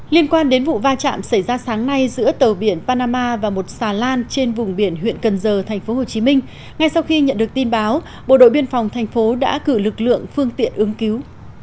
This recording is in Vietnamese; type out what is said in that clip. liên quan đến vụ va chạm xảy ra sáng nay giữa tàu biển panama và một xà lan trên vùng biển huyện cần giờ tp hcm ngay sau khi nhận được tin báo bộ đội biên phòng thành phố đã cử lực lượng phương tiện ứng cứu